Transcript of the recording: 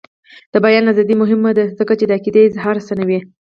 د بیان ازادي مهمه ده ځکه چې د عقیدې اظهار اسانوي.